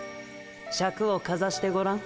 シャクをかざしてごらん。